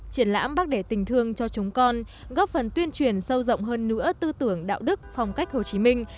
triển lãm bác đẻ tình thương cho chúng con góp phần tuyên truyền sâu rộng hơn nữa tư tưởng đạo đức phong cách hồ chí minh